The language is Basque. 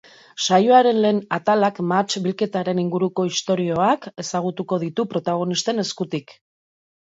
Saioaren lehen atalak mahats bilketaren inguruko istorioak ezagutuko ditu protagonisten eskutik.